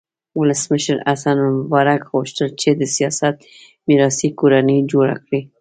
ولسمشر حسن مبارک غوښتل چې د سیاست میراثي کورنۍ جوړه کړي.